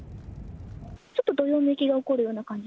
ちょっとどよめきが起こるような感じ。